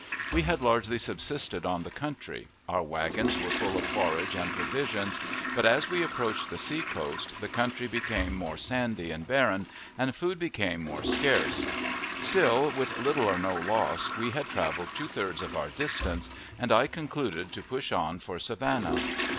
We had largely subsisted on the country; our wagons were full of forage and provisions; but, as we approached the sea coast, the country became more sandy and barren, and food became more scarce; still, with little or no loss, we had traveled two thirds of our distance, and I concluded to push on for Savannah.